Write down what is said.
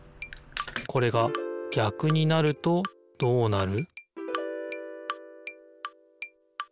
これが逆になるとどうなる？